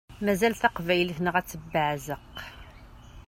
Mazal taqbaylit-nneɣ ad tebbeɛzeq.